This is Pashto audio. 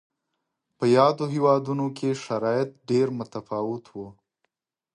په یادو هېوادونو کې شرایط ډېر متفاوت و.